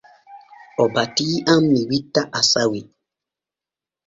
O batii am mi witta asawe.